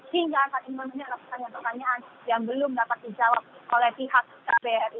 hingga saat ini masih ada pertanyaan pertanyaan yang belum dapat dijawab oleh pihak kbri